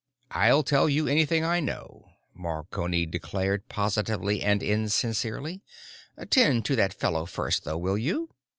"I'll tell you anything I know," Marconi declared positively, and insincerely. "Tend to that fellow first though, will you?"